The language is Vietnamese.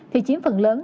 thì chiếm phần lớn